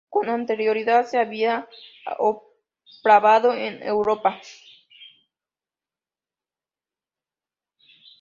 Con anterioridad se había aprobado en Europa.